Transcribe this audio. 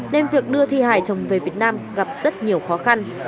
nên việc đưa thi hài chồng về việt nam gặp rất nhiều khó khăn